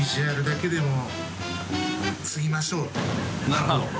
なるほど。